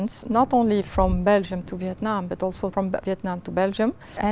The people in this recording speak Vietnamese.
dựa dựa dựa dựa